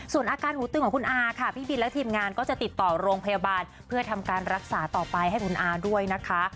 ส่วนอาการหูตึงของคุณอาค่ะพี่บินและทีมงานก็จะติดต่อโรงพยาบาลเพื่อทำการรักษาต่อไปให้คุณอาด้วยนะคะ